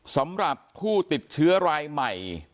สำหรับผู้ติดเชื้อรายใหม่